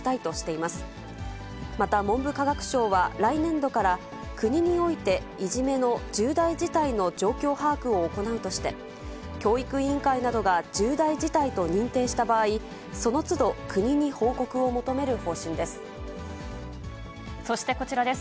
また、文部科学省は、来年度から国においていじめの重大事態の状況把握を行うとして、教育委員会などが重大事態と認定した場合、そのつど、そしてこちらです。